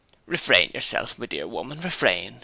'Refrain yourself, my dear woman, refrain!'